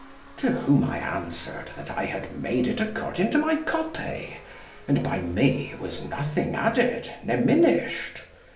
To whom I answered that I had made it according to my copy, and by me was nothing added ne minished.